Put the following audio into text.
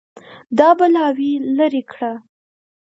دا بلاوې لرې کړه